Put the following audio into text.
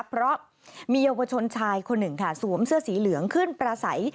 เพราะมีเยาวชนชายคนหนึ่งค่ะสวมเสื้อสีเหลืองขึ้นประสัย